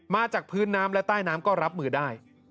มาจากพื้นน้ำและใต้น้ำก็รับมือได้